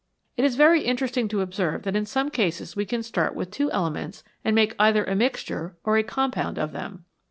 It is very interesting to observe that in some cases we can start with two elements and make either a mixture or a compound of them.